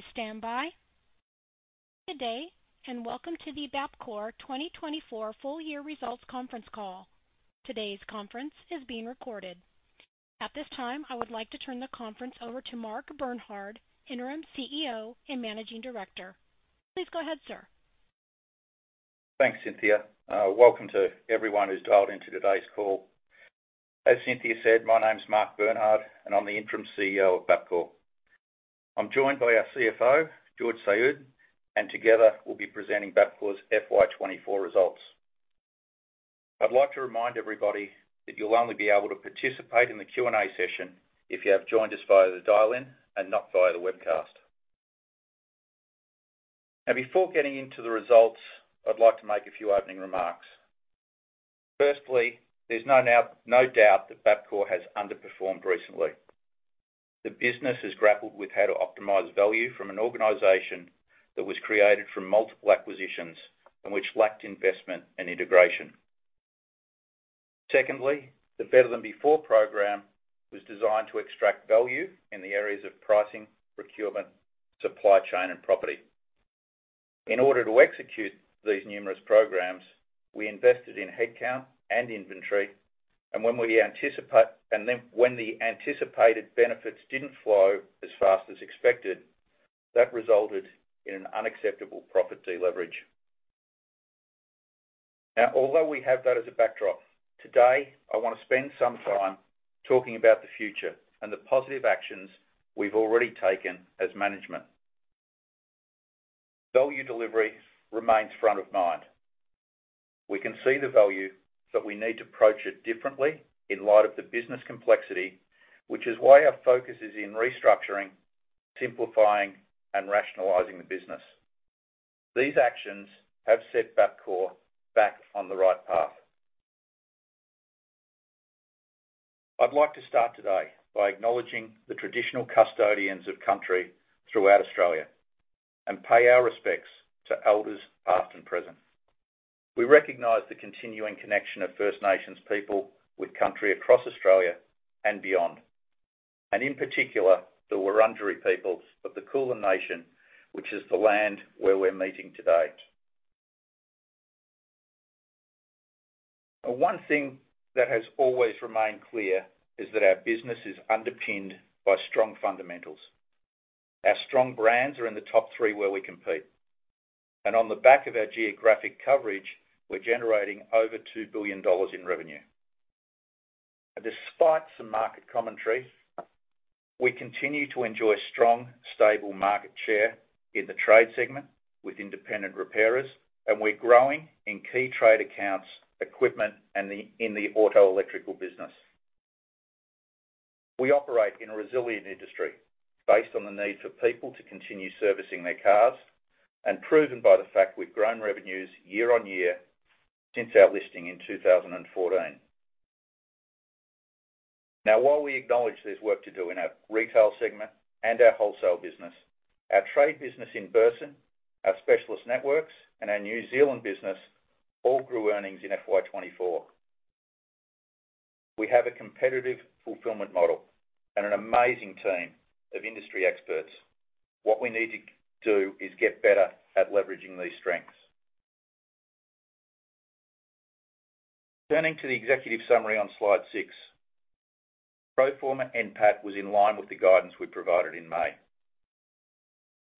Please stand by. Good day, and welcome to the Bapcor 2024 Full Year Results Conference Call. Today's conference is being recorded. At this time, I would like to turn the conference over to Mark Bernhard, Interim CEO and Managing Director. Please go ahead, sir. Thanks, Cynthia. Welcome to everyone who's dialed into today's call. As Cynthia said, my name's Mark Bernhard, and I'm the Interim CEO of Bapcor. I'm joined by our CFO, George Saoud, and together we'll be presenting Bapcor's FY 2024 results. I'd like to remind everybody that you'll only be able to participate in the Q&A session if you have joined us via the dial-in and not via the webcast. Now, before getting into the results, I'd like to make a few opening remarks. Firstly, there's no doubt that Bapcor has underperformed recently. The business has grappled with how to optimize value from an organization that was created from multiple acquisitions and which lacked investment and integration. Secondly, the Better Than Before program was designed to extract value in the areas of pricing, procurement, supply chain, and property. In order to execute these numerous programs, we invested in headcount and inventory, and when we, and then when the anticipated benefits didn't flow as fast as expected, that resulted in an unacceptable profit deleverage. Now, although we have that as a backdrop, today I wanna spend some time talking about the future and the positive actions we've already taken as management. Value delivery remains front of mind. We can see the value, but we need to approach it differently in light of the business complexity, which is why our focus is in restructuring, simplifying, and rationalizing the business. These actions have set Bapcor back on the right path. I'd like to start today by acknowledging the traditional custodians of country throughout Australia and pay our respects to elders, past and present. We recognize the continuing connection of First Nations people with country across Australia and beyond, and in particular, the Wurundjeri peoples of the Kulin Nation, which is the land where we're meeting today. The one thing that has always remained clear is that our business is underpinned by strong fundamentals. Our strong brands are in the top three where we compete, and on the back of our geographic coverage, we're generating over 2 billion dollars in revenue, and despite some market commentary, we continue to enjoy strong, stable market share in the trade segment with independent repairers, and we're growing in key trade accounts, equipment, and in the auto electrical business. We operate in a resilient industry based on the need for people to continue servicing their cars, and proven by the fact we've grown revenues year on year since our listing in 2014. Now, while we acknowledge there's work to do in our retail segment and our wholesale business, our trade business in Burson, our specialist networks, and our New Zealand business all grew earnings in FY 2024. We have a competitive fulfillment model and an amazing team of industry experts. What we need to do is get better at leveraging these strengths. Turning to the executive summary on slide six, pro forma NPAT was in line with the guidance we provided in May.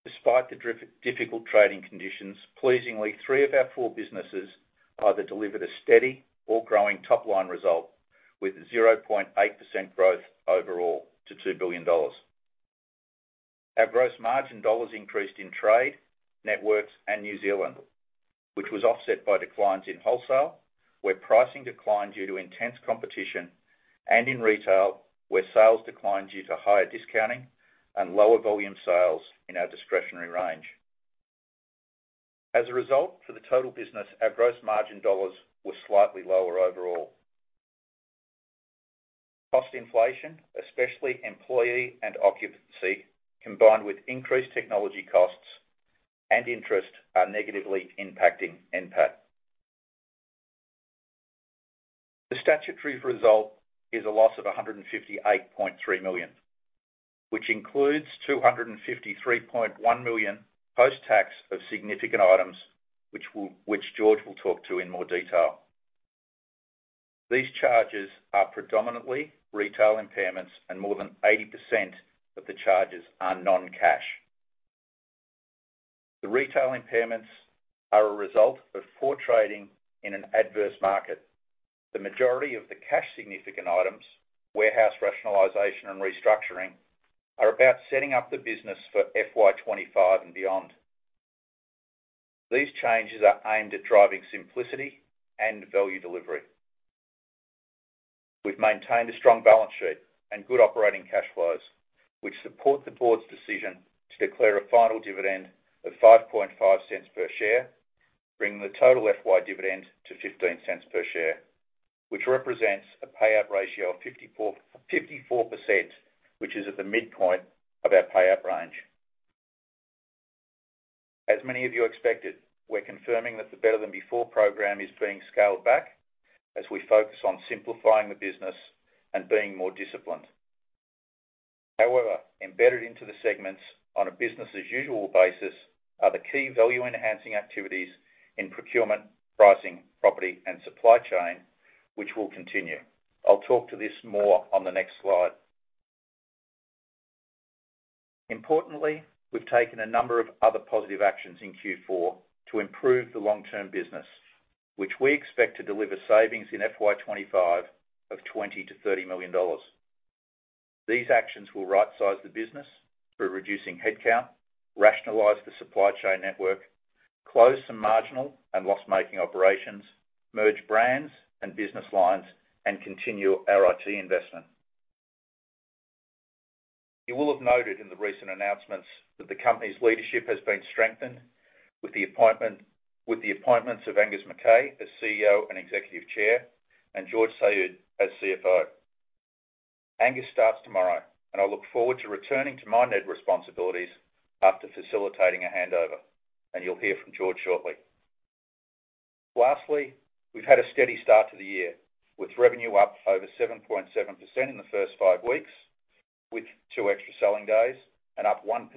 Despite the difficult trading conditions, pleasingly, three of our four businesses either delivered a steady or growing top line result with 0.8% growth overall to 2 billion dollars. Our gross margin dollars increased in trade, networks, and New Zealand, which was offset by declines in wholesale, where pricing declined due to intense competition, and in retail, where sales declined due to higher discounting and lower volume sales in our discretionary range. As a result, for the total business, our gross margin dollars were slightly lower overall. Cost inflation, especially employee and occupancy, combined with increased technology costs and interest, are negatively impacting NPAT. The statutory result is a loss of 158.3 million, which includes 253.1 million post-tax of significant items, which George will talk to in more detail. These charges are predominantly retail impairments and more than 80% of the charges are non-cash. The retail impairments are a result of poor trading in an adverse market. The majority of the cash significant items, warehouse rationalization and restructuring, are about setting up the business for FY 2025 and beyond. These changes are aimed at driving simplicity and value delivery. We've maintained a strong balance sheet and good operating cash flows, which support the board's decision to declare a final dividend of 0.055 per share, bringing the total FY dividend to 0.15 per share, which represents a payout ratio of 54.54%, which is at the midpoint of our payout range. As many of you expected, we're confirming that the Better Than Before program is being scaled back as we focus on simplifying the business and being more disciplined. However, embedded into the segments on a business as usual basis are the key value-enhancing activities in procurement, pricing, property, and supply chain, which will continue. I'll talk to this more on the next slide. Importantly, we've taken a number of other positive actions in Q4 to improve the long-term business, which we expect to deliver savings in FY 2025 of 20 million-30 million dollars. These actions will rightsize the business through reducing headcount, rationalize the supply chain network, close some marginal and loss-making operations, merge brands and business lines, and continue our IT investment. You will have noted in the recent announcements that the company's leadership has been strengthened with the appointment, with the appointments of Angus McKay as CEO and Executive Chair, and George Saoud as CFO. Angus starts tomorrow, and I look forward to returning to my NED responsibilities after facilitating a handover, and you'll hear from George shortly. Lastly, we've had a steady start to the year, with revenue up over 7.7% in the first five weeks, with two extra selling days and up 1%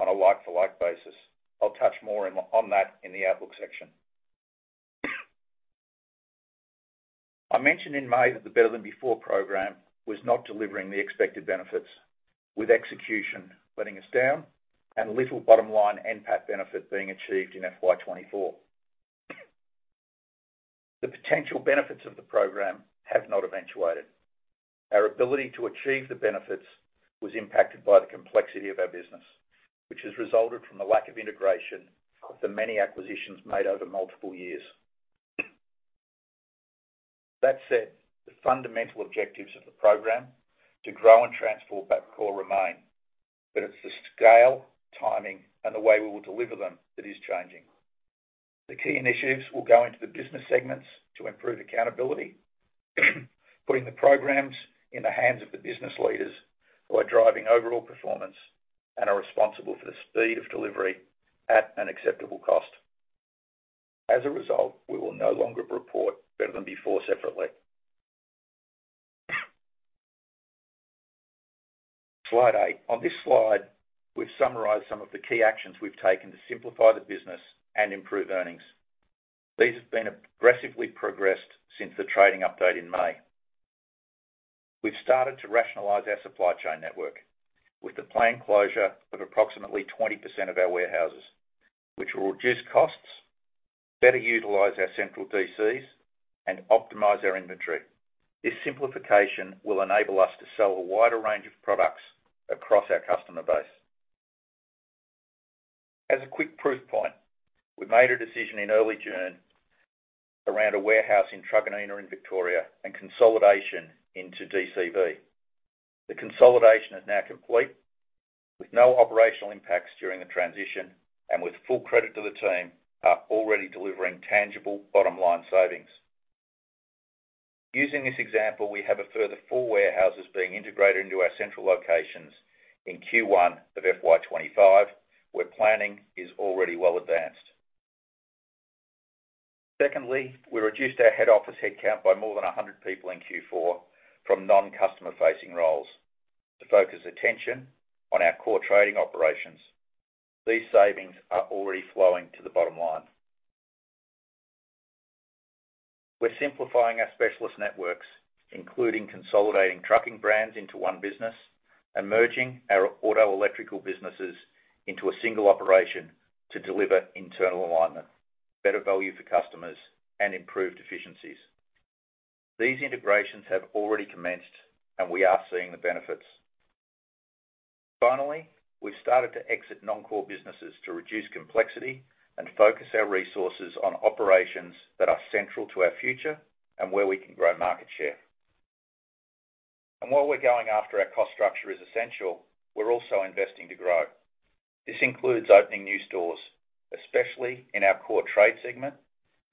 on a like-for-like basis. I'll touch more on that in the outlook section. I mentioned in May that the Better Than Before program was not delivering the expected benefits, with execution letting us down and little bottom line NPAT benefit being achieved in FY 2024. The potential benefits of the program have not eventuated. Our ability to achieve the benefits was impacted by the complexity of our business, which has resulted from the lack of integration of the many acquisitions made over multiple years. That said, the fundamental objectives of the program to grow and transform Bapcor remain, but it's the scale, timing, and the way we will deliver them that is changing. The key initiatives will go into the business segments to improve accountability, putting the programs in the hands of the business leaders who are driving overall performance and are responsible for the speed of delivery at an acceptable cost. As a result, we will no longer report Better Than Before separately. Slide eight. On this slide, we've summarized some of the key actions we've taken to simplify the business and improve earnings. These have been aggressively progressed since the trading update in May. We've started to rationalize our supply chain network with the planned closure of approximately 20% of our warehouses, which will reduce costs, better utilize our central DCs, and optimize our inventory. This simplification will enable us to sell a wider range of products across our customer base. As a quick proof point, we made a decision in early June around a warehouse in Truganina in Victoria and consolidation into DCV. The consolidation is now complete, with no operational impacts during the transition and with full credit to the team, are already delivering tangible bottom-line savings. Using this example, we have a further four warehouses being integrated into our central locations in Q1 of FY 2025, where planning is already well advanced. Secondly, we reduced our head office headcount by more than 100 people in Q4 from non-customer-facing roles to focus attention on our core trading operations. These savings are already flowing to the bottom line. We're simplifying our specialist networks, including consolidating trucking brands into one business and merging our auto electrical businesses into a single operation to deliver internal alignment, better value for customers, and improved efficiencies. These integrations have already commenced, and we are seeing the benefits. Finally, we've started to exit non-core businesses to reduce complexity and focus our resources on operations that are central to our future and where we can grow market share. And while we're going after our cost structure is essential, we're also investing to grow. This includes opening new stores, especially in our core trade segment,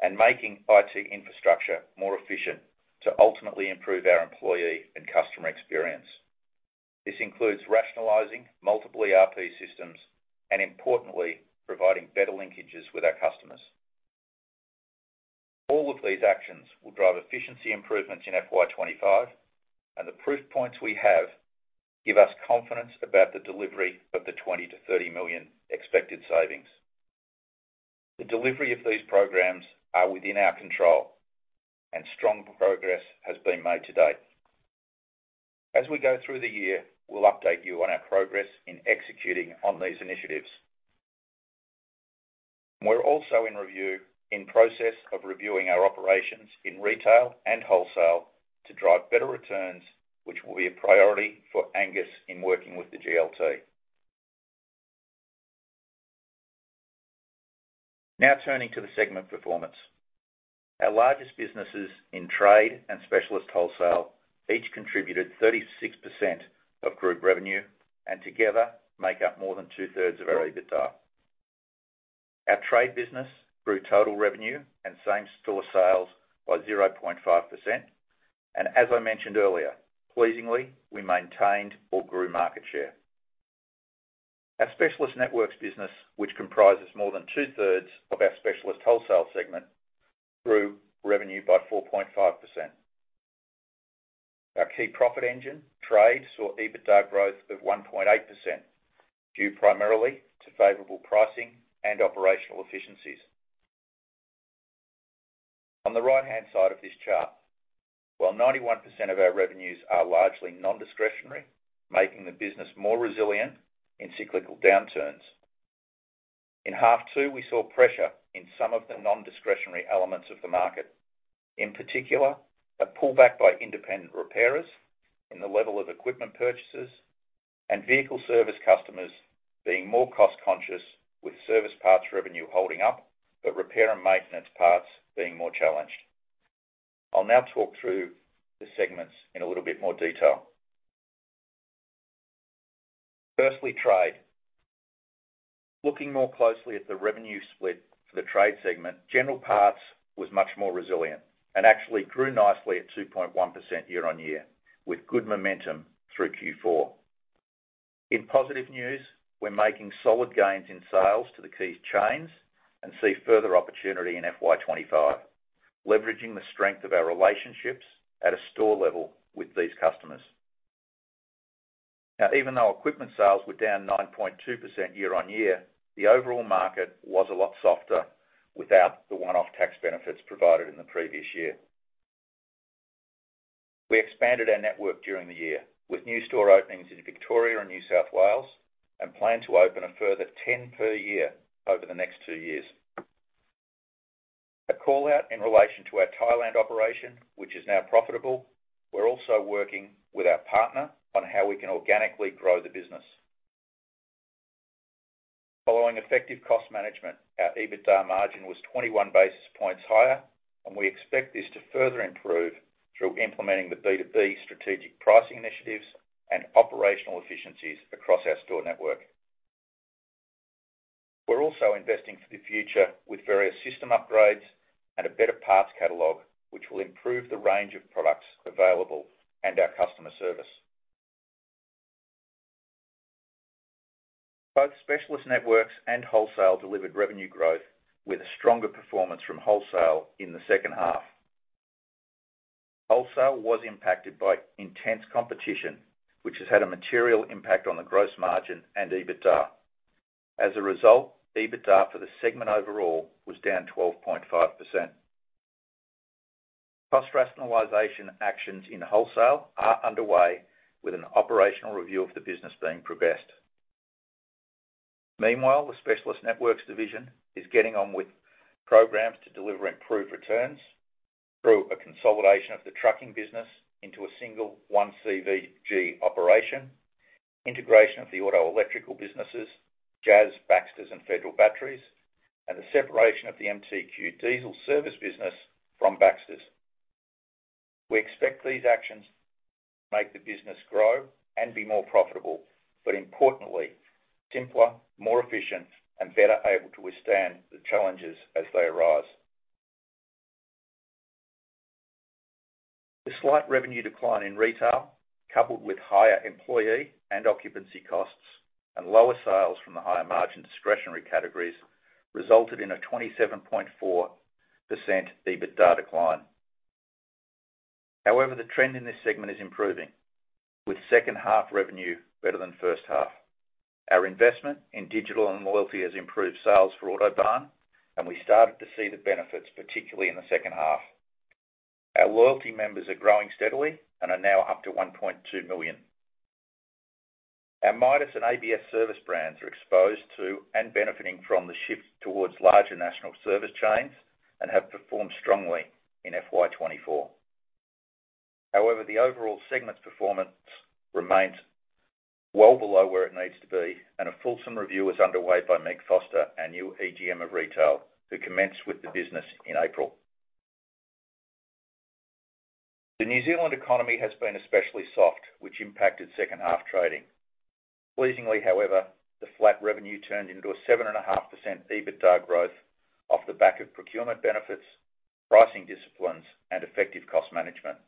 and making IT infrastructure more efficient to ultimately improve our employee and customer experience. This includes rationalizing multiple ERP systems and, importantly, providing better linkages with our customers. All of these actions will drive efficiency improvements in FY 2025, and the proof points we have give us confidence about the delivery of the 20-30 million expected savings. The delivery of these programs are within our control, and strong progress has been made to date. As we go through the year, we'll update you on our progress in executing on these initiatives. We're also in review, in process of reviewing our operations in retail and wholesale to drive better returns, which will be a priority for Angus in working with the GLT. Now, turning to the segment performance. Our largest businesses in trade and specialist wholesale each contributed 36% of group revenue and together make up more than 2/3 of our EBITDA. Our trade business grew total revenue and same-store sales by 0.5%. And as I mentioned earlier, pleasingly, we maintained or grew market share. Our Specialist Networks business, which comprises more than 2/3 of our Specialist Wholesale segment, grew revenue by 4.5%. Our key profit engine, Trade, saw EBITDA growth of 1.8%, due primarily to favorable pricing and operational efficiencies. On the right-hand side of this chart, while 91% of our revenues are largely non-discretionary, making the business more resilient in cyclical downturns, in half two, we saw pressure in some of the non-discretionary elements of the market. In particular, a pullback by independent repairers in the level of equipment purchases, and vehicle service customers being more cost-conscious with service parts revenue holding up, but repair and maintenance parts being more challenged. I'll now talk through the segments in a little bit more detail. Firstly, Trade. Looking more closely at the revenue split for the Trade segment, general parts was much more resilient and actually grew nicely at 2.1% year-on-year, with good momentum through Q4. In positive news, we're making solid gains in sales to the key chains and see further opportunity in FY 2025, leveraging the strength of our relationships at a store level with these customers. Now, even though equipment sales were down 9.2% year-on-year, the overall market was a lot softer without the one-off tax benefits provided in the previous year. We expanded our network during the year, with new store openings in Victoria and New South Wales, and plan to open a further 10 per year over the next two years. A call-out in relation to our Thailand operation, which is now profitable. We're also working with our partner on how we can organically grow the business. Following effective cost management, our EBITDA margin was 21 basis points higher, and we expect this to further improve through implementing the BTB strategic pricing initiatives and operational efficiencies across our store network. We're also investing for the future with various system upgrades and a better parts catalog, which will improve the range of products available and our customer service. Both Specialist Networks and Wholesale delivered revenue growth, with a stronger performance from Wholesale in the second half. Wholesale was impacted by intense competition, which has had a material impact on the gross margin and EBITDA. As a result, EBITDA for the segment overall was down 12.5%. Cost rationalization actions in Wholesale are underway, with an operational review of the business being progressed. Meanwhile, the Specialist Networks division is getting on with programs to deliver improved returns through a consolidation of the trucking business into a single One CVG operation, integration of the auto electrical businesses, JAS, Baxters, and Federal Batteries, and the separation of the MTQ diesel service business from Baxters. We expect these actions to make the business grow and be more profitable, but importantly, simpler, more efficient, and better able to withstand the challenges as they arise. The slight revenue decline in Retail, coupled with higher employee and occupancy costs, and lower sales from the higher-margin discretionary categories, resulted in a 27.4% EBITDA decline. However, the trend in this segment is improving, with second half revenue better than first half. Our investment in digital and loyalty has improved sales for Autobarn, and we started to see the benefits, particularly in the second half. Our loyalty members are growing steadily and are now up to 1.2 million. Our Midas and ABS service brands are exposed to and benefiting from the shift towards larger national service chains and have performed strongly in FY 2024. However, the overall segment's performance remains well below where it needs to be, and a fulsome review is underway by Meg Foster, our new EGM of Retail, who commenced with the business in April. The New Zealand economy has been especially soft, which impacted second half trading. Pleasingly, however, the flat revenue turned into a 7.5% EBITDA growth off the back of procurement benefits, pricing disciplines, and effective cost management.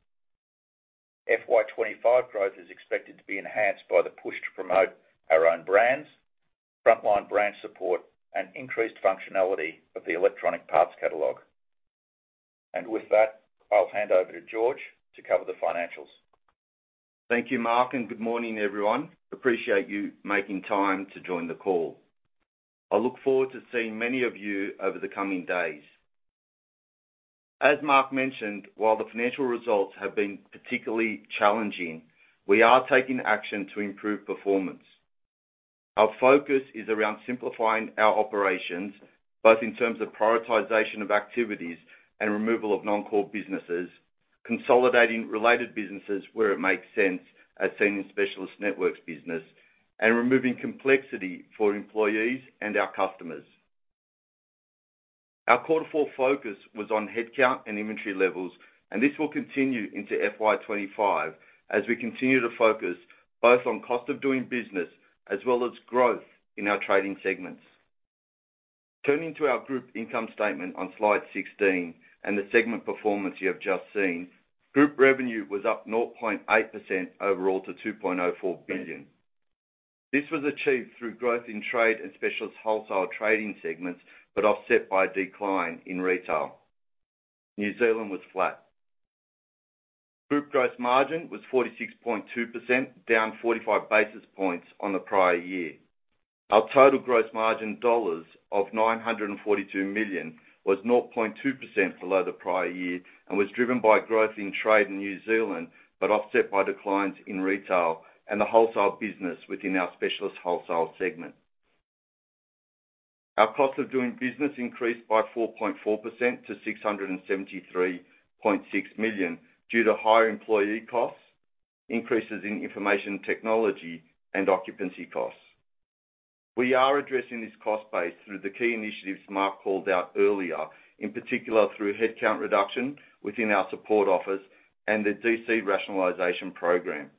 FY 2025 growth is expected to be enhanced by the push to promote our own brands, frontline branch support, and increased functionality of the electronic parts catalog. With that, I'll hand over to George to cover the financials. Thank you, Mark, and good morning, everyone. Appreciate you making time to join the call. I look forward to seeing many of you over the coming days. As Mark mentioned, while the financial results have been particularly challenging, we are taking action to improve performance. Our focus is around simplifying our operations, both in terms of prioritization of activities and removal of non-core businesses, consolidating related businesses where it makes sense, as seen in Specialist Networks business, and removing complexity for employees and our customers. Our quarter four focus was on headcount and inventory levels, and this will continue into FY 2025 as we continue to focus both on cost of doing business as well as growth in our trading segments. Turning to our Group Income Statement on slide 16 and the segment performance you have just seen, Group revenue was up 0.8% overall to 2.04 billion. This was achieved through growth in trade and specialist wholesale trading segments, but offset by a decline in retail. New Zealand was flat. Group gross margin was 46.2%, down 45 basis points on the prior year. Our total gross margin dollars of 942 million was 0.2% below the prior year and was driven by growth in trade in New Zealand, but offset by declines in retail and the wholesale business within our specialist wholesale segment. Our cost of doing business increased by 4.4% to 673.6 million due to higher employee costs, increases in information technology, and occupancy costs. We are addressing this cost base through the key initiatives Mark called out earlier, in particular, through headcount reduction within our support office and the DC rationalization program.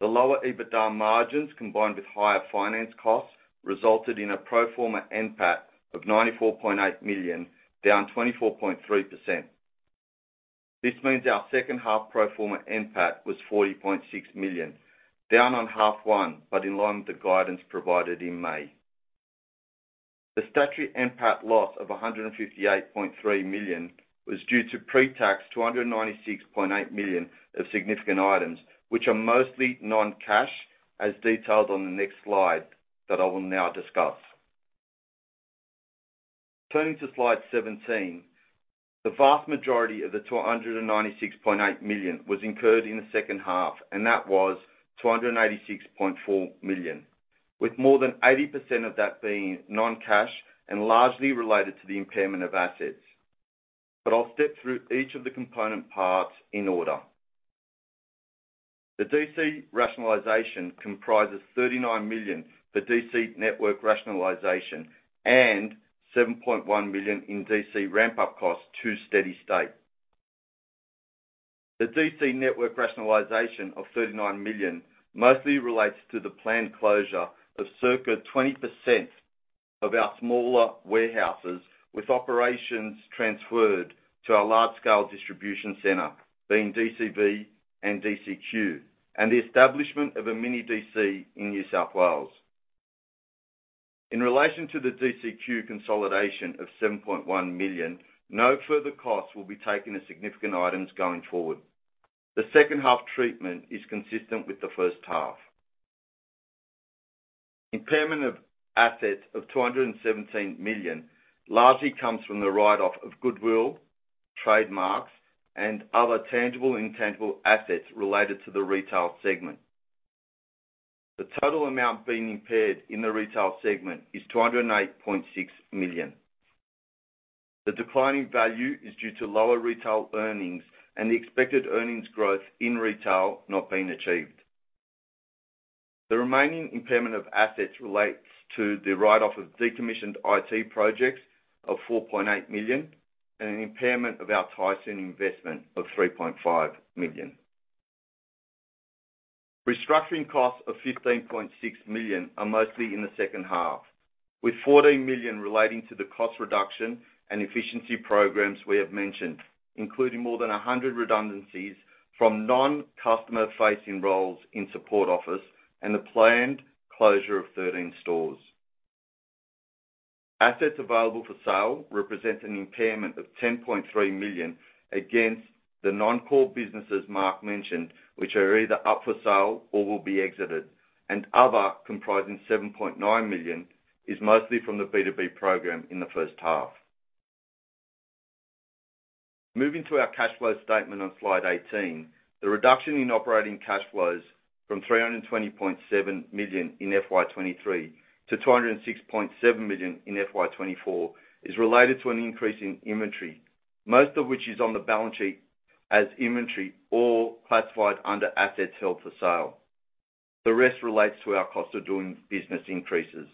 The lower EBITDA margins, combined with higher finance costs, resulted in a pro forma NPAT of 94.8 million, down 24.3%. This means our second half pro forma NPAT was 40.6 million, down on half one, but in line with the guidance provided in May. The statutory NPAT loss of 158.3 million was due to pre-tax, 296.8 million of significant items, which are mostly non-cash, as detailed on the next slide that I will now discuss. Turning to slide 17, the vast majority of the 296.8 million was incurred in the second half, and that was 286.4 million, with more than 80% of that being non-cash and largely related to the impairment of assets. But I'll step through each of the component parts in order. The DC rationalization comprises 39 million for DC network rationalization and 7.1 million in DC ramp-up costs to steady state. The DC network rationalization of 39 million mostly relates to the planned closure of circa 20% of our smaller warehouses, with operations transferred to our large-scale distribution center, being DCV and DCQ, and the establishment of a mini DC in New South Wales. In relation to the DCQ consolidation of 7.1 million, no further costs will be taken as significant items going forward. The second half treatment is consistent with the first half. Impairment of assets of 217 million largely comes from the write-off of goodwill, trademarks, and other tangible and intangible assets related to the retail segment. The total amount being impaired in the retail segment is 208.6 million. The decline in value is due to lower retail earnings and the expected earnings growth in retail not being achieved. The remaining impairment of assets relates to the write-off of decommissioned IT projects of 4.8 million and an impairment of our Tye Soon investment of 3.5 million. Restructuring costs of 15.6 million are mostly in the second half, with 14 million relating to the cost reduction and efficiency programs we have mentioned, including more than 100 redundancies from non-customer-facing roles in support office and the planned closure of 13 stores. Assets available for sale represent an impairment of 10.3 million against the non-core businesses Mark mentioned, which are either up for sale or will be exited, and other, comprising 7.9 million, is mostly from the BTB program in the first half. Moving to our cash flow statement on slide 18, the reduction in operating cash flows from 320.7 million in FY 2023 to 206.7 million in FY 2024 is related to an increase in inventory, most of which is on the balance sheet as inventory or classified under assets held for sale. The rest relates to our cost of doing business increases.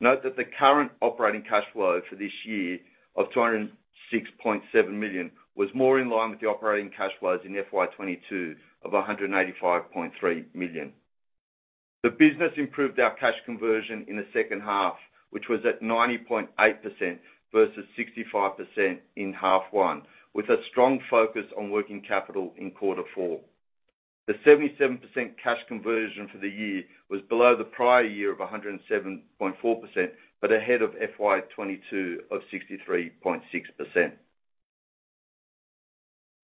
Note that the current operating cash flow for this year of 206.7 million was more in line with the operating cash flows in FY 2022 of 185.3 million. The business improved our cash conversion in the second half, which was at 90.8% versus 65% in half one, with a strong focus on working capital in Q4. The 77% cash conversion for the year was below the prior year of 107.4%, but ahead of FY 2022 of 63.6%.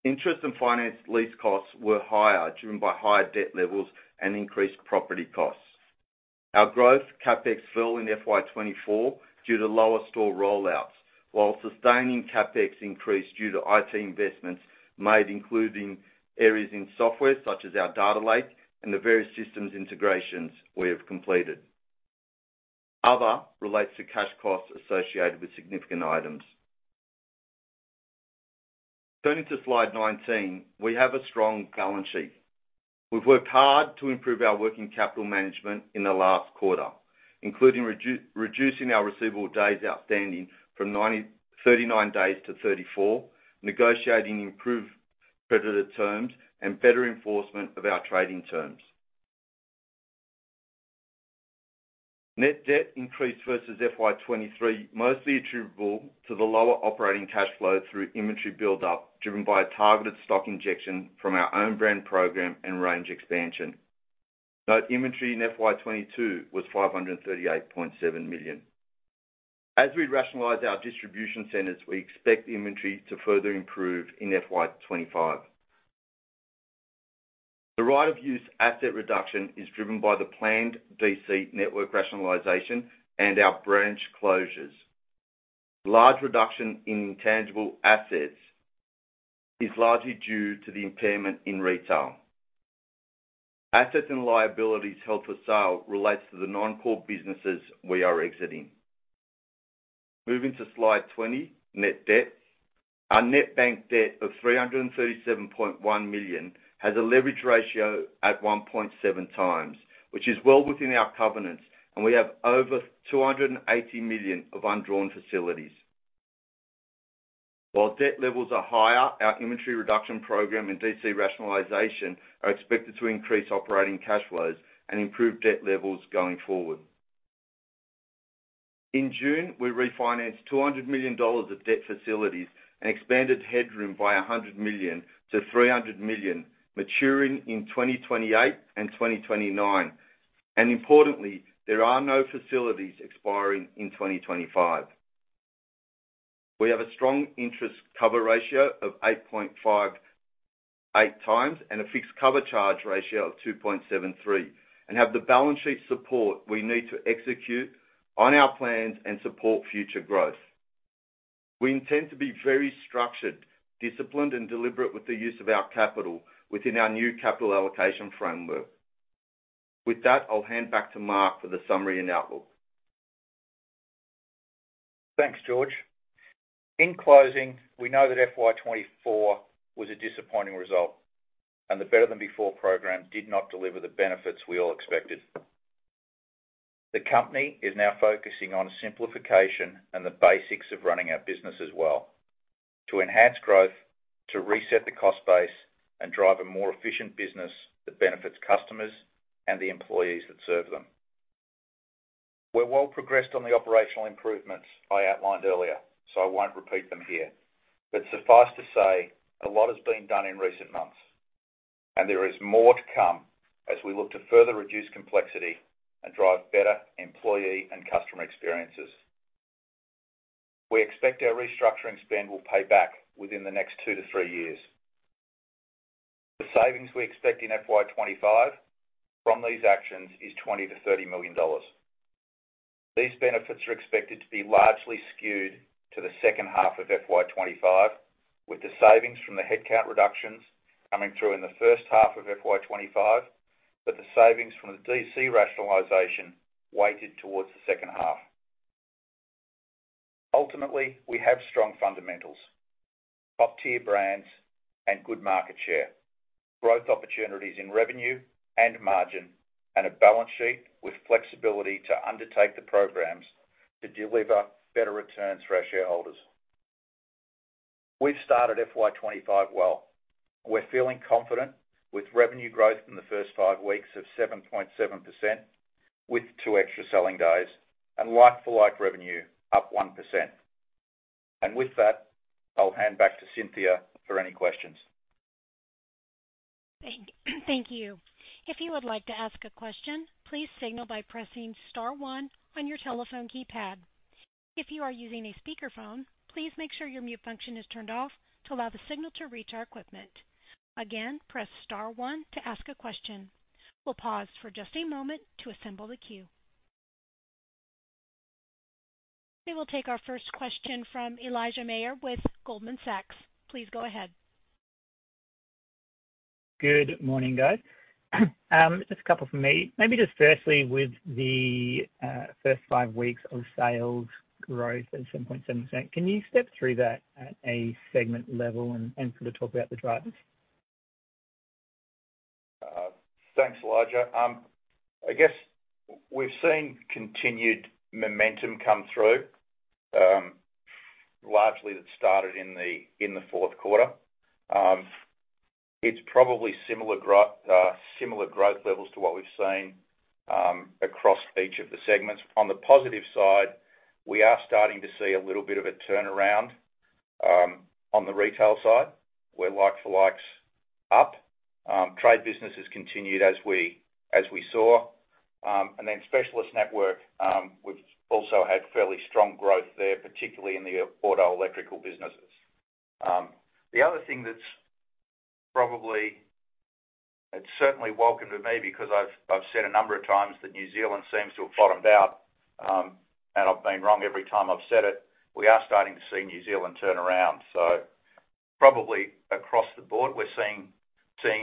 Interest and finance lease costs were higher, driven by higher debt levels and increased property costs. Our growth CapEx fell in FY 2024 due to lower store rollouts, while sustaining CapEx increased due to IT investments made, including areas in software such as our data lake and the various systems integrations we have completed. Other relates to cash costs associated with significant items. Turning to slide 19, we have a strong balance sheet. We've worked hard to improve our working capital management in the last quarter, including reducing our receivable days outstanding from 39 days to 34, negotiating improved credit terms and better enforcement of our trading terms. Net debt increased versus FY 2023, mostly attributable to the lower operating cash flow through inventory build-up, driven by a targeted stock injection from our own brand program and range expansion. Note inventory in FY 2022 was 538.7 million. As we rationalize our distribution centers, we expect inventory to further improve in FY 2025. The right of use asset reduction is driven by the planned DC network rationalization and our branch closures. Large reduction in intangible assets is largely due to the impairment in retail. Assets and liabilities held for sale relates to the non-core businesses we are exiting. Moving to Slide 20, net debt. Our net bank debt of 337.1 million has a leverage ratio at 1.7 times, which is well within our covenants, and we have over 280 million of undrawn facilities. While debt levels are higher, our inventory reduction program and DC rationalization are expected to increase operating cash flows and improve debt levels going forward. In June, we refinanced 200 million dollars of debt facilities and expanded headroom by 100 million to 300 million, maturing in 2028 and 2029. Importantly, there are no facilities expiring in 2025. We have a strong interest cover ratio of 8.58 times and a fixed cover charge ratio of 2.73, and have the balance sheet support we need to execute on our plans and support future growth. We intend to be very structured, disciplined and deliberate with the use of our capital within our new capital allocation framework. With that, I'll hand back to Mark for the summary and outlook. Thanks, George. In closing, we know that FY 2024 was a disappointing result, and the Better Than Before program did not deliver the benefits we all expected. The company is now focusing on simplification and the basics of running our business as well, to enhance growth, to reset the cost base and drive a more efficient business that benefits customers and the employees that serve them. We're well progressed on the operational improvements I outlined earlier, so I won't repeat them here, but suffice to say, a lot has been done in recent months, and there is more to come as we look to further reduce complexity and drive better employee and customer experiences. We expect our restructuring spend will pay back within the next two to three years. The savings we expect in FY 2025 from these actions is 20 million-30 million dollars. These benefits are expected to be largely skewed to the second half of FY 2025, with the savings from the headcount reductions coming through in the first half of FY 2025, but the savings from the DC rationalization weighted towards the second half. Ultimately, we have strong fundamentals, top-tier brands and good market share, growth opportunities in revenue and margin, and a balance sheet with flexibility to undertake the programs to deliver better returns for our shareholders. We've started FY 2025 well. We're feeling confident with revenue growth in the first five weeks of 7.7%, with two extra selling days and like-for-like revenue up 1%. And with that, I'll hand back to Cynthia for any questions. Thank you. If you would like to ask a question, please signal by pressing star one on your telephone keypad. If you are using a speakerphone, please make sure your mute function is turned off to allow the signal to reach our equipment. Again, press star one to ask a question. We'll pause for just a moment to assemble the queue. We will take our first question from Elijah Mayr with Goldman Sachs. Please go ahead. Good morning, guys. Just a couple from me. Maybe just firstly, with the first five weeks of sales growth at 7.7%, can you step through that at a segment level and sort of talk about the drivers? Thanks, Elijah. I guess we've seen continued momentum come through, largely that started in the fourth quarter. It's probably similar growth levels to what we've seen across each of the segments. On the positive side, we are starting to see a little bit of a turnaround on the retail side, where like-for-likes up, trade business has continued as we saw. And then specialist network, we've also had fairly strong growth there, particularly in the auto electrical businesses. The other thing that's probably it's certainly welcome to me, because I've said a number of times that New Zealand seems to have bottomed out, and I've been wrong every time I've said it. We are starting to see New Zealand turn around. So probably across the board, we're seeing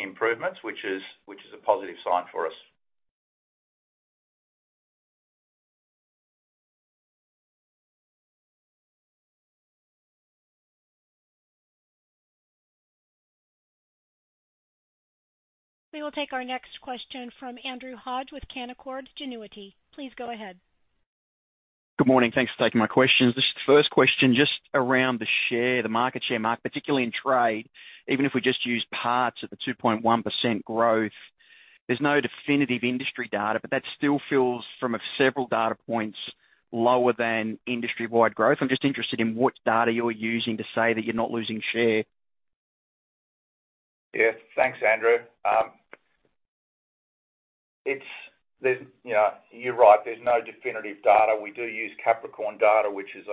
improvements, which is a positive sign for us. We will take our next question from Andrew Hodge with Canaccord Genuity. Please go ahead. Good morning. Thanks for taking my questions. Just the first question, just around the share, the market share mark, particularly in trade, even if we just use parts at the 2.1% growth, there's no definitive industry data, but that still feels from several data points lower than industry-wide growth. I'm just interested in what data you're using to say that you're not losing share. Yeah, thanks, Andrew. There's, you know, you're right, there's no definitive data. We do use Capricorn data, which is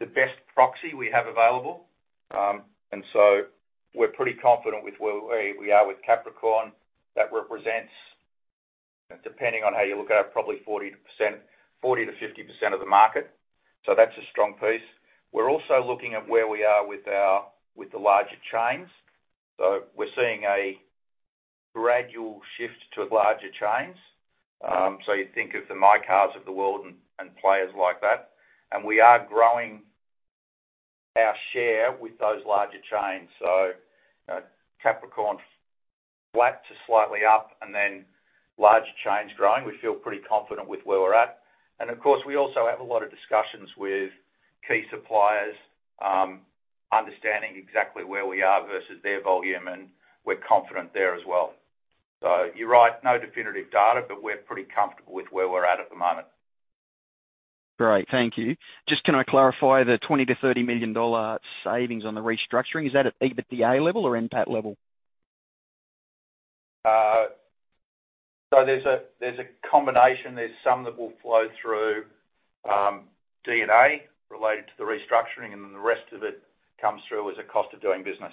the best proxy we have available. And so we're pretty confident with where we are with Capricorn. That represents, depending on how you look at it, probably 40%, 40%-50% of the market. So that's a strong piece. We're also looking at where we are with our, with the larger chains. So we're seeing a gradual shift to larger chains. So you think of the mycar of the world and, and players like that, and we are growing our share with those larger chains. So, Capricorn, flat to slightly up and then larger chains growing. We feel pretty confident with where we're at. And of course, we also have a lot of discussions with key suppliers, understanding exactly where we are versus their volume, and we're confident there as well. So you're right, no definitive data, but we're pretty comfortable with where we're at the moment. Great. Thank you. Just can I clarify the 20 million-30 million dollar savings on the restructuring, is that at EBITDA level or NPAT level? So there's a, there's a combination. There's some that will flow through, D&A related to the restructuring, and then the rest of it comes through as a cost of doing business.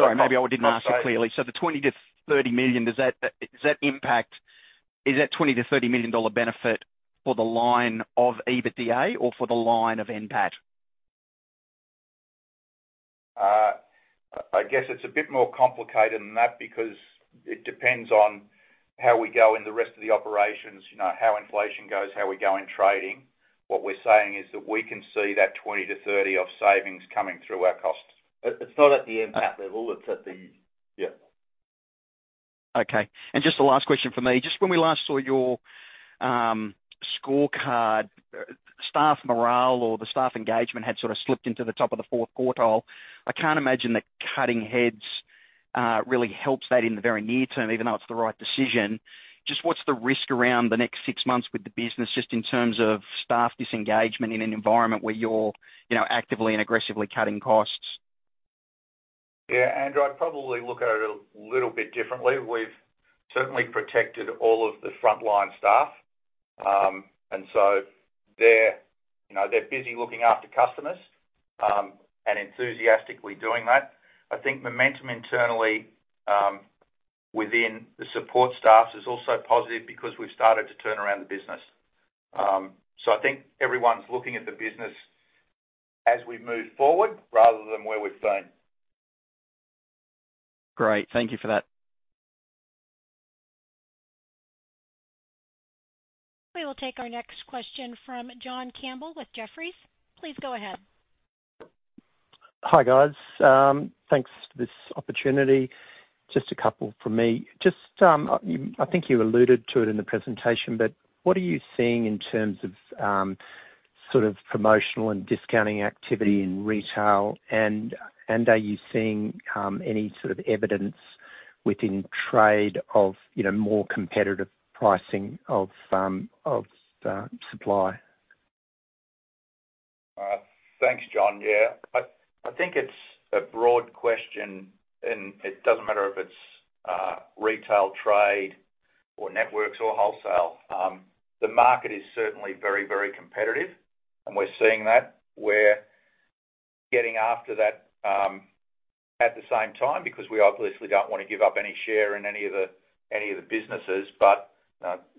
Sorry, maybe I didn't ask it clearly. So the 20-30 million, does that, does that impact? Is that 20-30 million dollar benefit for the line of EBITDA or for the line of NPAT? I guess it's a bit more complicated than that because it depends on how we go in the rest of the operations, you know, how inflation goes, how we go in trading. What we're saying is that we can see that 20 million to 30 million of savings coming through our costs. It's not at the NPAT level, it's at the... Yeah. Okay, and just the last question for me, just when we last saw your scorecard, staff morale or the staff engagement had sort of slipped into the top of the fourth quartile. I can't imagine that cutting heads really helps that in the very near term, even though it's the right decision. Just what's the risk around the next six months with the business, just in terms of staff disengagement in an environment where you're, you know, actively and aggressively cutting costs? Yeah, Andrew, I'd probably look at it a little bit differently. We've certainly protected all of the frontline staff, and so they're, you know, they're busy looking after customers, and enthusiastically doing that. I think momentum internally, within the support staffs is also positive because we've started to turn around the business. So I think everyone's looking at the business as we move forward rather than where we've been. Great. Thank you for that. We will take our next question from John Campbell with Jefferies. Please go ahead. Hi, guys. Thanks for this opportunity. Just a couple from me. I think you alluded to it in the presentation, but what are you seeing in terms of sort of promotional and discounting activity in retail? And are you seeing any sort of evidence within trade of you know more competitive pricing of supply? Thanks, John. Yeah. I think it's a broad question, and it doesn't matter if it's retail, trade, or networks, or wholesale. The market is certainly very, very competitive, and we're seeing that. We're getting after that, at the same time, because we obviously don't want to give up any share in any of the businesses, but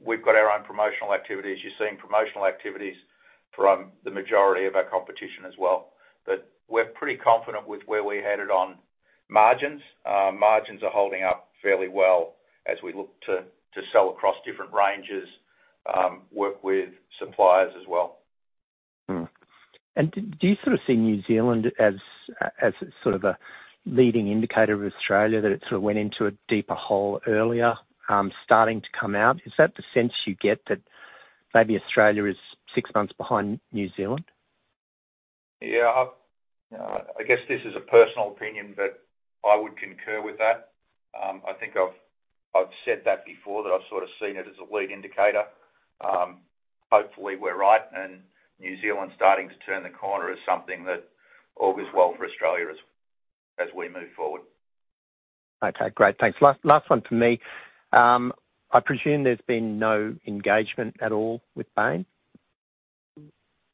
we've got our own promotional activities. You're seeing promotional activities from the majority of our competition as well. But we're pretty confident with where we're headed on margins. Margins are holding up fairly well as we look to sell across different ranges, work with suppliers as well. And do you sort of see New Zealand as, as sort of a leading indicator of Australia, that it sort of went into a deeper hole earlier, starting to come out? Is that the sense you get that maybe Australia is six months behind New Zealand? Yeah, I guess this is a personal opinion, but I would concur with that. I think I've said that before, that I've sort of seen it as a lead indicator. Hopefully, we're right, and New Zealand's starting to turn the corner is something that all goes well for Australia as we move forward. Okay, great. Thanks. Last one for me. I presume there's been no engagement at all with Bain?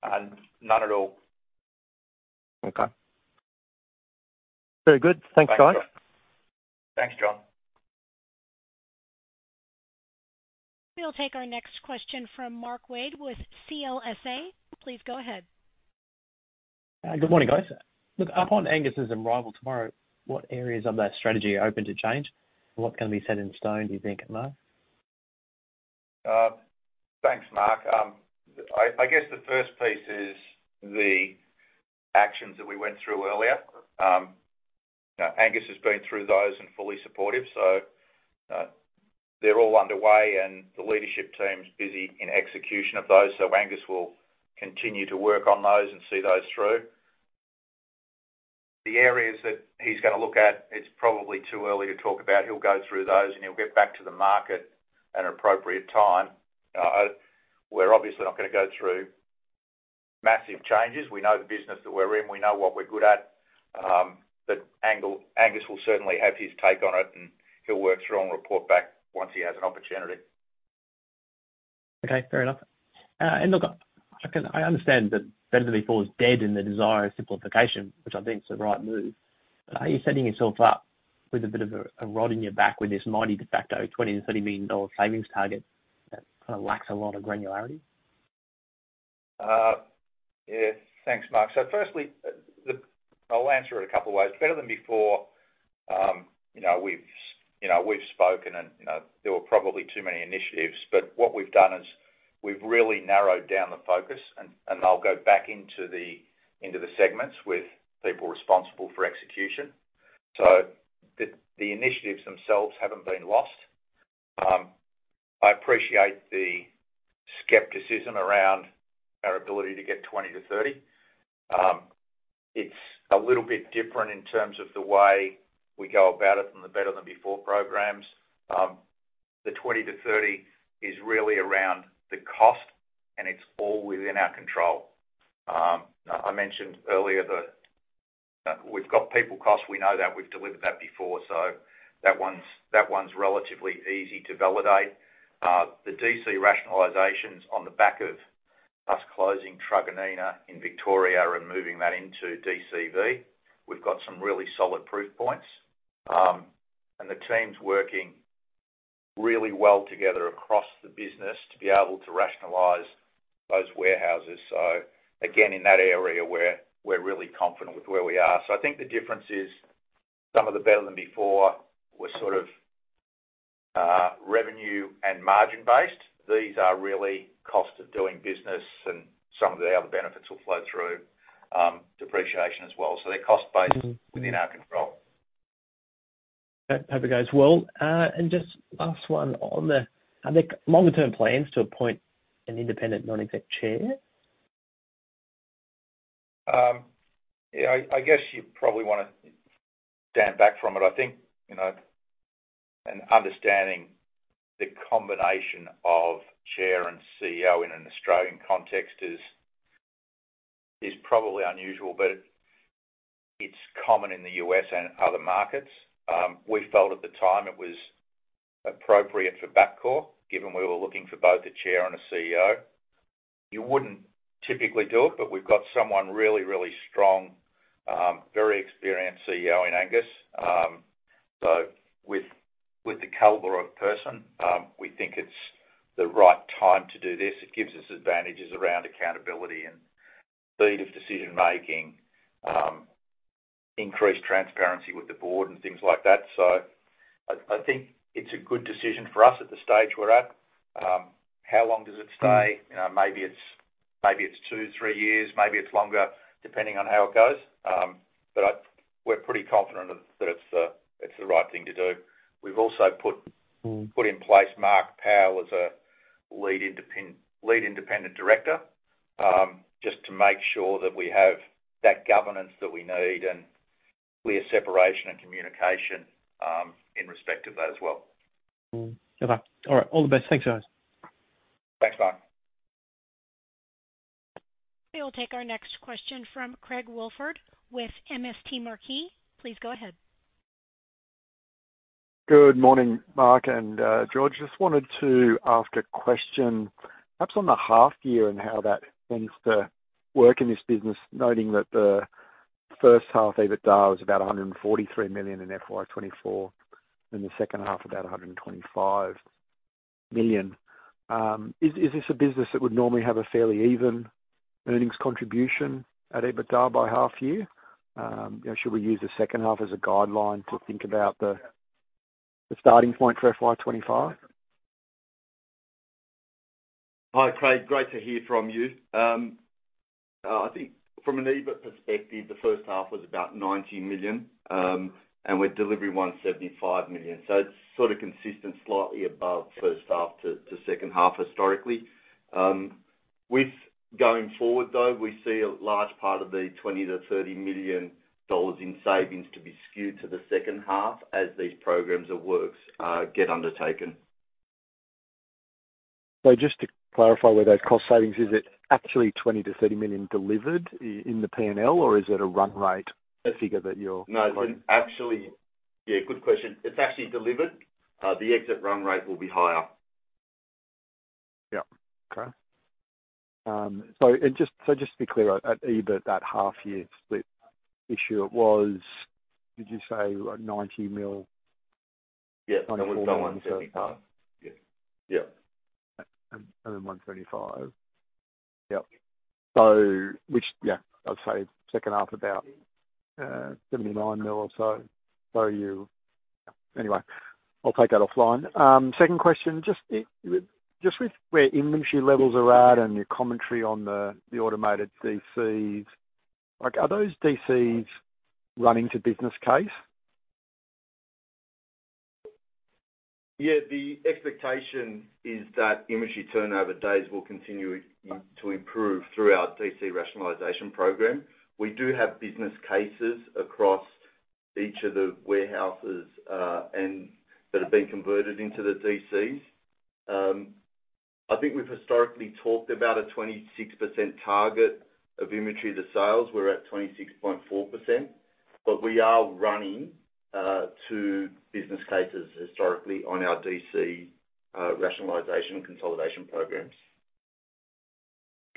None at all. Okay. Very good. Thanks, guys. Thanks, John. We'll take our next question from Mark Wade with CLSA. Please go ahead. Good morning, guys. Look, upon Angus's arrival tomorrow, what areas of that strategy are open to change? What's going to be set in stone, do you think, at Mark? Thanks, Mark. I guess the first piece is the actions that we went through earlier. Now Angus has been through those and fully supportive, so, they're all underway, and the leadership team's busy in execution of those, so Angus will continue to work on those and see those through. The areas that he's gonna look at, it's probably too early to talk about. He'll go through those, and he'll get back to the market at an appropriate time. We're obviously not gonna go through massive changes. We know the business that we're in. We know what we're good at, but Angus will certainly have his take on it, and he'll work through and report back once he has an opportunity. Okay, fair enough. I understand that Better Than Before is dead in the desire of simplification, which I think is the right move, but are you setting yourself up with a bit of a rod in your back with this mighty de facto 20-30 million dollar savings target that kind of lacks a lot of granularity? Yeah, thanks, Mark. So firstly, I'll answer it a couple of ways. Better Than Before, you know, we've, you know, we've spoken and, you know, there were probably too many initiatives, but what we've done is we've really narrowed down the focus and I'll go back into the segments with people responsible for execution. So the initiatives themselves haven't been lost. I appreciate the skepticism around our ability to get 20 to 30 million. It's a little bit different in terms of the way we go about it than the Better Than Before programs. The 20 to 30 million is really around the cost, and it's all within our control. I mentioned earlier that we've got people costs. We know that. We've delivered that before, so that one's relatively easy to validate. The DC rationalizations on the back of us closing Truganina in Victoria and moving that into DCV, we've got some really solid proof points, and the team's working really well together across the business to be able to rationalize those warehouses. So again, in that area, we're really confident with where we are. So I think the difference is some of the Better Than Before were sort of revenue and margin-based. These are really cost of doing business and some of the other benefits will flow through depreciation as well. So they're cost-based within our control. Hope it goes well, and just last one on the, are there longer term plans to appoint an independent non-exec chair? Yeah, I guess you probably wanna stand back from it. I think, you know, and understanding the combination of chair and CEO in an Australian context is probably unusual, but it's common in the U.S. and other markets. We felt at the time it was appropriate for Bapcor, given we were looking for both a chair and a CEO. You wouldn't typically do it, but we've got someone really, really strong, very experienced CEO in Angus. So with the caliber of person, we think it's the right time to do this. It gives us advantages around accountability and speed of decision-making, increased transparency with the board and things like that. So I think it's a good decision for us at the stage we're at. How long does it stay? You know, maybe it's, maybe it's two, three years, maybe it's longer, depending on how it goes. But we're pretty confident that it's the, it's the right thing to do. We've also put- Mm. Put in place Mark Powell as Lead Independent Director, just to make sure that we have that governance that we need and clear separation and communication, in respect of that as well. Mm. Okay. All right. All the best. Thanks, guys. Thanks, Mark. We will take our next question from Craig Woolford with MST Marquee. Please go ahead. Good morning, Mark and George. Just wanted to ask a question, perhaps on the half year and how that tends to work in this business, noting that the first half EBITDA was about 143 million in FY 2024, and the second half, about 125 million. Is this a business that would normally have a fairly even earnings contribution at EBITDA by half year? You know, should we use the second half as a guideline to think about the starting point for FY 2025? Hi, Craig. Great to hear from you. I think from an EBIT perspective, the first half was about 90 million, and we're delivering 175 million. So it's sort of consistent, slightly above first half to second half, historically. With going forward, though, we see a large part of the 20 million-30 million dollars in savings to be skewed to the second half as these programs of works get undertaken. So just to clarify, were those cost savings, is it actually 20-30 million delivered in the P&L, or is it a run rate, a figure that you're- No, it's actually... Yeah, good question. It's actually delivered. The exit run rate will be higher. Yeah. Okay. So just to be clear, at EBIT, that half year split issue, it was, did you say, 90 mil? Yeah. 135. Yeah. Yeah. And 135. Yep. So which, yeah, I'd say second half, about 79 million or so. Anyway, I'll take that offline. Second question, just with where inventory levels are at and your commentary on the automated DCs, like, are those DCs running to business case? Yeah, the expectation is that inventory turnover days will continue to improve through our DC rationalization program. We do have business cases across each of the warehouses, and that have been converted into the DCs. I think we've historically talked about a 26% target of inventory to sales. We're at 26.4%, but we are running to business cases historically on our DC rationalization consolidation programs.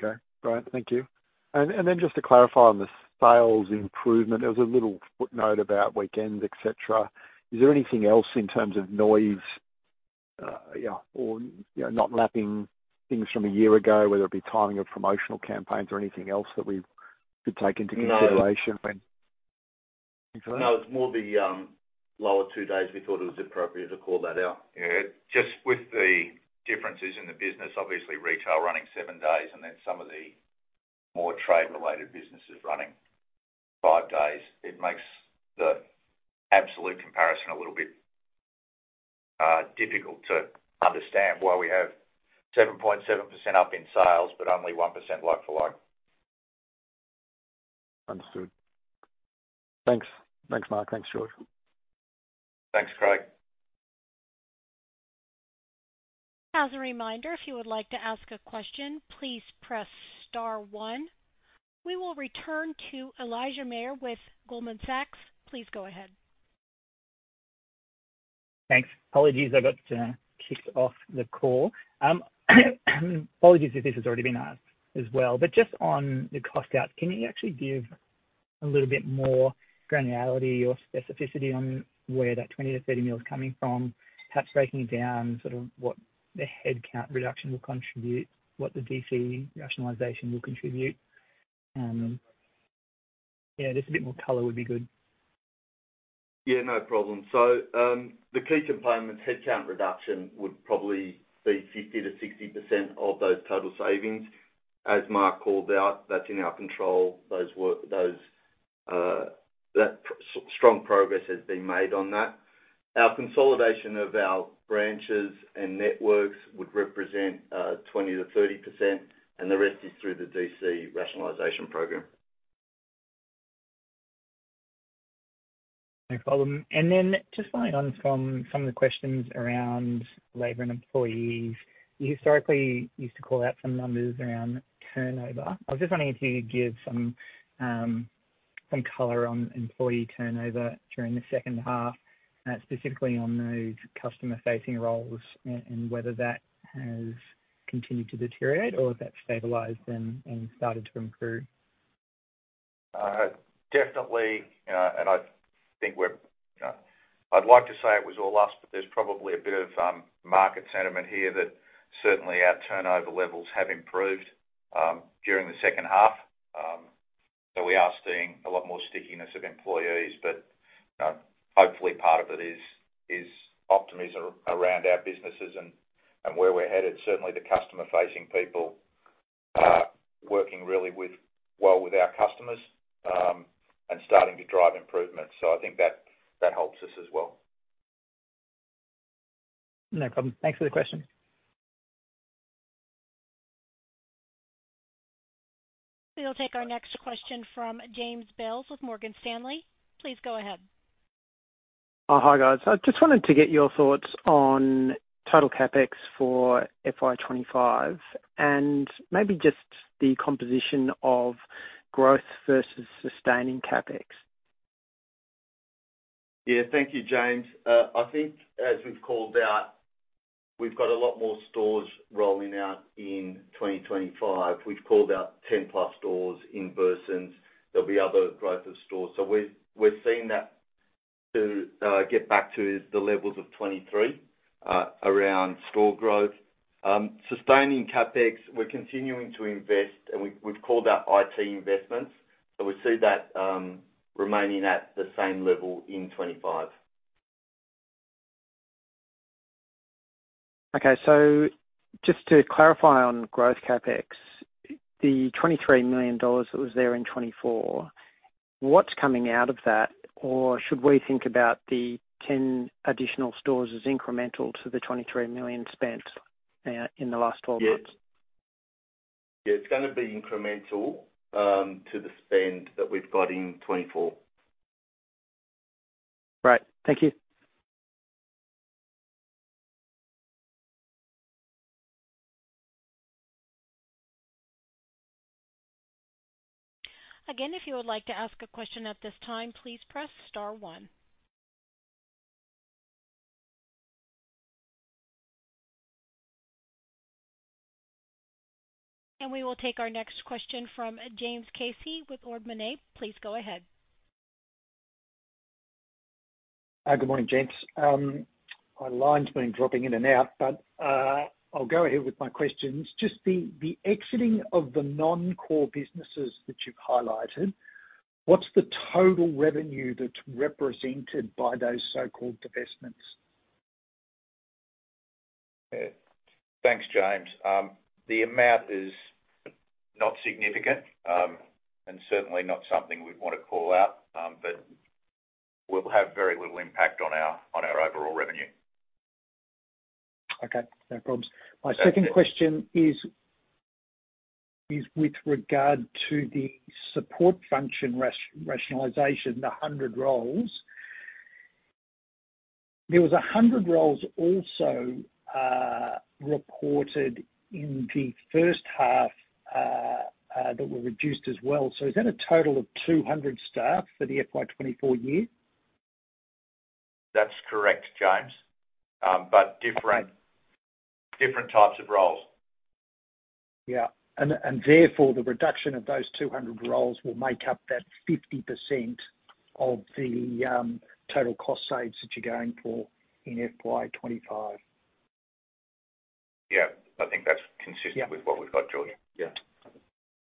Okay, great. Thank you. And, and then just to clarify on the sales improvement, there was a little footnote about weekends, et cetera. Is there anything else in terms of noise, or, you know, not lapping things from a year ago, whether it be timing of promotional campaigns or anything else that we could take into consideration when- No. Sorry? No, it's more the lower two days, we thought it was appropriate to call that out. Yeah, just with the differences in the business, obviously, retail running seven days, and then some of the more trade-related businesses running five days, it makes the absolute comparison a little bit difficult to understand why we have 7.7% up in sales, but only 1% like for like. Understood. Thanks. Thanks, Mark. Thanks, George. Thanks, Craig. As a reminder, if you would like to ask a question, please press star one. We will return to Elijah Mayr with Goldman Sachs. Please go ahead. Thanks. Apologies, I got kicked off the call. Apologies if this has already been asked as well, but just on the cost out, can you actually give a little bit more granularity or specificity on where that 20-30 million is coming from? Perhaps breaking it down, sort of what the headcount reduction will contribute, what the DC rationalization will contribute? Yeah, just a bit more color would be good. Yeah, no problem. So, the key component, headcount reduction, would probably be 50%-60% of those total savings. As Mark called out, that's in our control. That strong progress has been made on that. Our consolidation of our branches and networks would represent 20%-30%, and the rest is through the DC rationalization program. No problem. And then just following on from some of the questions around labor and employees, you historically used to call out some numbers around turnover. I was just wondering if you could give some color on employee turnover during the second half, specifically on those customer-facing roles, and whether that has continued to deteriorate, or if that's stabilized and started to improve. Definitely, and I think we're, I'd like to say it was all us, but there's probably a bit of market sentiment here that certainly our turnover levels have improved during the second half. So we are seeing a lot more stickiness of employees, but, you know, hopefully part of it is optimism around our businesses and where we're headed. Certainly, the customer-facing people are working really with, well with our customers, and starting to drive improvements. So I think that helps us as well. No problem. Thanks for the question. We'll take our next question from James Bales with Morgan Stanley. Please go ahead. Hi, guys. I just wanted to get your thoughts on total CapEx for FY 2025, and maybe just the composition of growth versus sustaining CapEx. Yeah. Thank you, James. I think as we've called out, we've got a lot more stores rolling out in 2025. We've called out 10 plus stores in Burson's. There'll be other growth of stores. So we're seeing that to get back to the levels of 2023, around store growth. Sustaining CapEx, we're continuing to invest, and we've called out IT investments, so we see that remaining at the same level in 2025. Okay, so just to clarify on growth CapEx, the 23 million dollars that was there in 2024, what's coming out of that? Or should we think about the 10 additional stores as incremental to the 23 million spent in the last twelve months? Yeah. Yeah, it's gonna be incremental to the spend that we've got in 2024. Great. Thank you. Again, if you would like to ask a question at this time, please press star one, and we will take our next question from James Casey with Ord Minnett. Please go ahead. Good morning, gents. My line's been dropping in and out, but, I'll go ahead with my questions. Just the exiting of the non-core businesses that you've highlighted, what's the total revenue that's represented by those so-called divestments? Thanks, James. The amount is not significant, and certainly not something we'd want to call out. But will have very little impact on our overall revenue. Okay, no problems. My second question is with regard to the support function rationalization, the 100 roles. There was 100 roles also reported in the first half that were reduced as well. So is that a total of 200 staff for the FY 2024 year? That's correct, James. But different types of roles. Yeah. And, and therefore, the reduction of those 200 roles will make up that 50% of the total cost saves that you're going for in FY 2025? Yeah, I think that's consistent- Yeah. With what we've got, James. Yeah.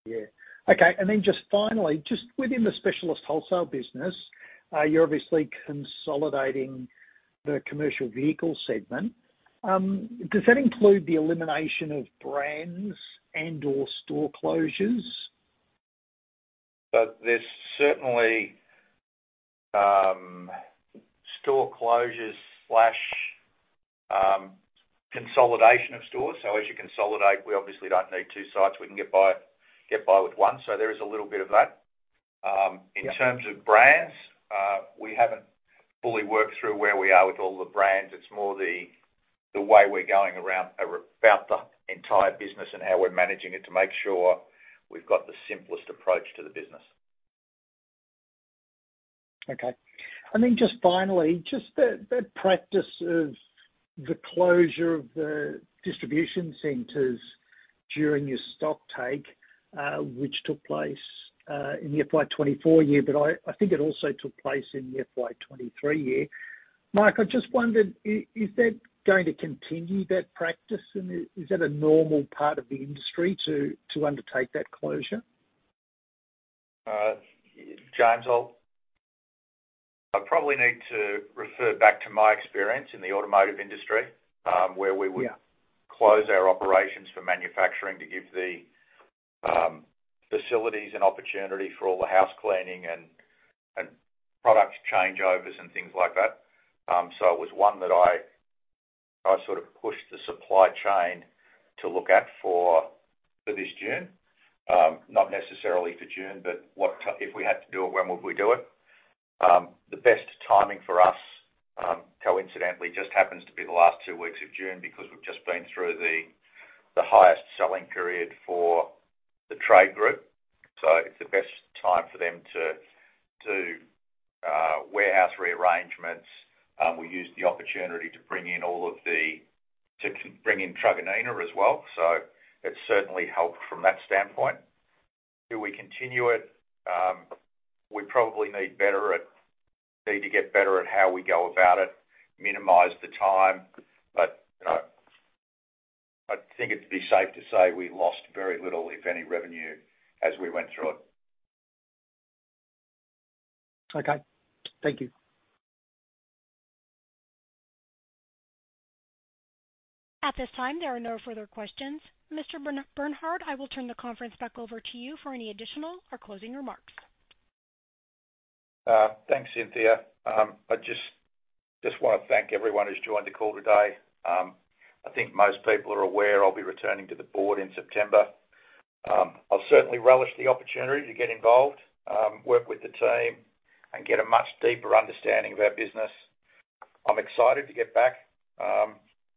Yeah. Okay, and then just finally, just within the specialist wholesale business, you're obviously consolidating the commercial vehicle segment. Does that include the elimination of brands and/or store closures? But there's certainly store closures slash consolidation of stores. So as you consolidate, we obviously don't need two sites, we can get by with one. So there is a little bit of that. Yeah. In terms of brands, we haven't fully worked through where we are with all the brands. It's more the way we're going around about the entire business and how we're managing it to make sure we've got the simplest approach to the business. Okay. And then just finally, just the practice of the closure of the distribution centers during your stocktake, which took place in the FY 2024 year, but I think it also took place in the FY 2023 year. Mark, I just wondered, is that going to continue, that practice, and is that a normal part of the industry to undertake that closure? James, I'd probably need to refer back to my experience in the automotive industry, where we would- Yeah Close our operations for manufacturing to give the facilities an opportunity for all the housecleaning and product changeovers and things like that. So it was one that I sort of pushed the supply chain to look at for this June. Not necessarily for June, but what if we had to do it, when would we do it? The best timing for us, coincidentally, just happens to be the last two weeks of June, because we've just been through the highest selling period for the trade group. So it's the best time for them to warehouse rearrangements. We used the opportunity to bring in all of the, bring in Truganina as well, so it's certainly helped from that standpoint. Do we continue it? We probably need to get better at how we go about it, minimize the time, but, you know, I think it'd be safe to say we lost very little, if any, revenue as we went through it. Okay. Thank you. At this time, there are no further questions. Mr. Bernhard, I will turn the conference back over to you for any additional or closing remarks. Thanks, Cynthia. I just wanna thank everyone who's joined the call today. I think most people are aware I'll be returning to the board in September. I'll certainly relish the opportunity to get involved, work with the team, and get a much deeper understanding of our business. I'm excited to get back,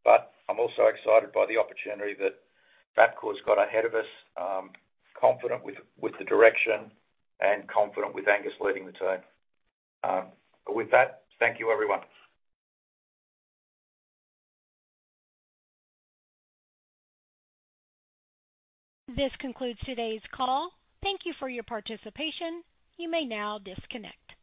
but I'm also excited by the opportunity that Bapcor's got ahead of us. Confident with the direction and confident with Angus leading the team. With that, thank you, everyone. This concludes today's call. Thank you for your participation. You may now disconnect.